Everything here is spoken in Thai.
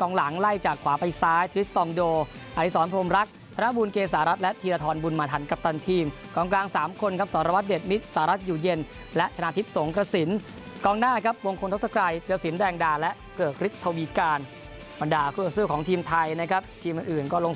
ก็ลงซ้อมต่อเลือกได้ตั้งแต่